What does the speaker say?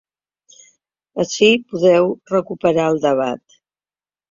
Ací podeu recuperar el debat.